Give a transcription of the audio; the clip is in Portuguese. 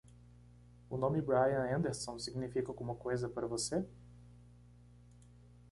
O nome Brian Anderson significa alguma coisa para você?